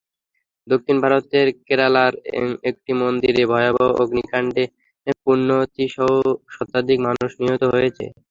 দক্ষিণ ভারতের কেরালার একটি মন্দিরে ভয়াবহ অগ্নিকাণ্ডে পুণ্যার্থীসহ শতাধিক মানুষ নিহত হয়েছে।